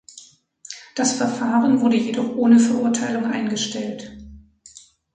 Das Verfahren wurde jedoch ohne Verurteilung eingestellt.